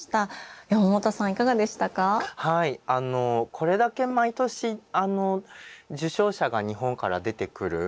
これだけ毎年受賞者が日本から出てくる。